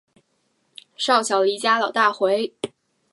少小离家老大回